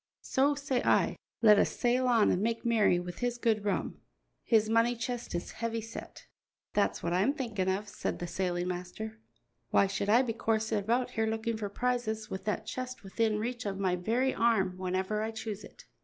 So say I, let us sail on and make merry with his good rum; his money chest is heavy yet." "That's what I'm thinking of," said the sailing master. "Why should I be coursing about here looking for prizes with that chest within reach of my very arm whenever I choose it?"